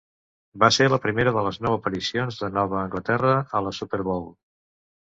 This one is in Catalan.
Va ser la primera de les nou aparicions de Nova Anglaterra a la Super Bowl.